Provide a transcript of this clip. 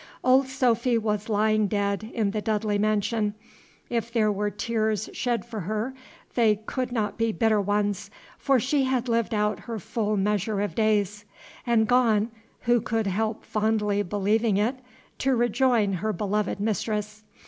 Old Sophy was lying dead in the Dudley mansion. If there were tears shed for her, they could not be bitter ones; for she had lived out her full measure of days, and gone who could help fondly believing it? to rejoin her beloved mistress.